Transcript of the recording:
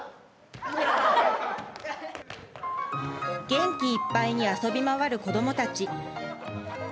元気いっぱいに遊び回る子供たち。